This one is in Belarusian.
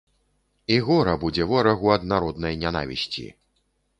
І гора будзе ворагу ад народнай нянавісці!